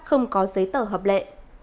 không có giấy tờ hợp lệ